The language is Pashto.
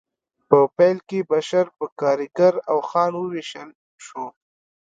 په پیل کې بشر په کارګر او خان وویشل شو